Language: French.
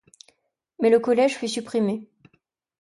Mais le collège fut supprimé.